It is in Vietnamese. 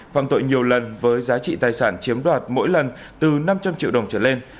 phạm tội nhiều lần với giá trị tài sản chiếm đoạt mỗi lần từ năm trăm linh triệu đồng trở lên